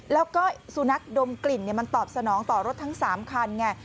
แล้วก็สุนัขดมกลิ่นมันตอบสนองต่อรถทั้ง๓คันไง